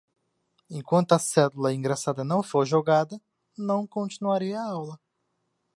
Enquanto a cédula engraçada não for jogada, não continuarei a aula.